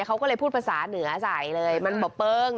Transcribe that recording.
เขาก็เลยพูดภาษาเหนือใส่เลยมันบอกเปิ้ง